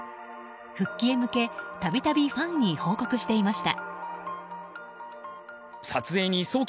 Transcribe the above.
復帰へ向け、度々ファンに報告していました。